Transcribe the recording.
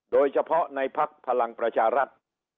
โดยเฉพาะในภักดิ์พลังประชารัฐ